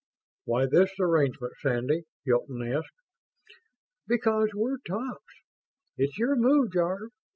"Why this arrangement, Sandy?" Hilton asked. "Because we're tops. It's your move, Jarve.